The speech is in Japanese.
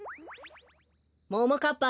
ももかっぱ